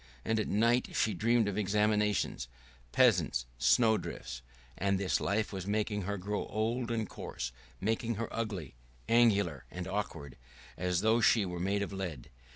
And at night she dreamed of examinations, peasants, snowdrifts. And this life was making her grow old and coarse, making her ugly, angular, and awkward, as though she were made of lead.